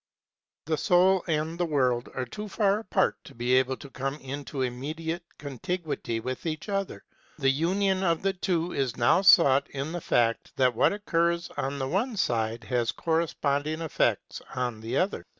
The soul and the world are too far apart to be able to come into immediate contiguity with each other ; the union of the two is now sought in the fact that what occurs on the one side has corresponding effects on the other side.